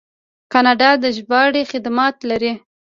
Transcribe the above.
کاناډا د ژباړې خدمات لري.